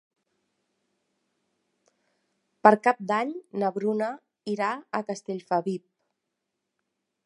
Per Cap d'Any na Bruna irà a Castellfabib.